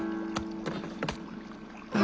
あ。